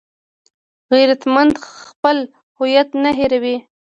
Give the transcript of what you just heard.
غیرتمند خپل هویت نه هېروي